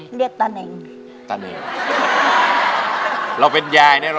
คุณยายเป้าเป็นนักร้องมาตั้งแต่อายุเท่าไหร่ครับ